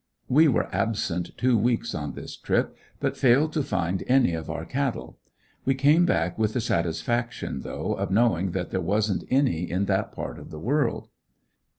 We were absent two weeks on this trip, but failed to find any of our cattle. We came back with the satisfaction though of knowing that there wasn't any in that part of the world.